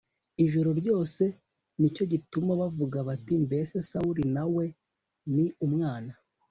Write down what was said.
ijoro ryose Ni cyo gituma bavuga bati mbese Sawuli na we ni umwana